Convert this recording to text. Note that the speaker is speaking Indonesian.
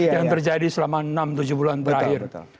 yang terjadi selama enam tujuh bulan terakhir